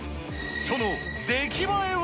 その出来栄えは？